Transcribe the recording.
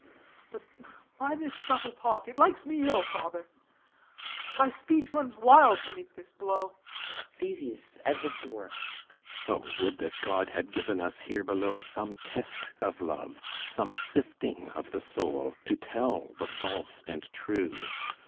But why this subtle talk? It likes me ill, Father; thy speech runs wild beneath this blow. THESEUS (as before) O would that God had given us here below Some test of love, some sifting of the soul, To tell the false and true!